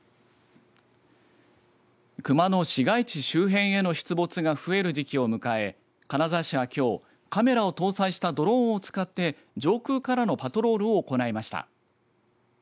クマの市街地周辺への出没が増える時期を迎え金沢市は、きょう、カメラを搭載したドローンを使って上空からのパトロールを行いました。